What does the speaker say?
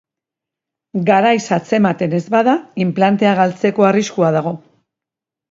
Garaiz atzematen ez bada, inplantea galtzeko arriskua dago.